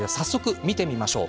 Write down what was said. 見てみましょう。